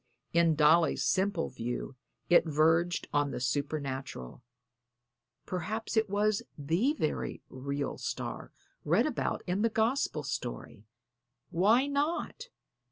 In Dolly's simple view it verged on the supernatural perhaps it was the very real star read about in the Gospel story. Why not?